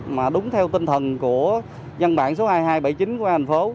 mà đúng theo tinh thần của dân bạn số hai nghìn hai trăm bảy mươi chín của hà nội thành phố